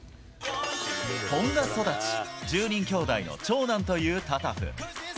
トンガ育ち、１０人きょうだいの長男というタタフ。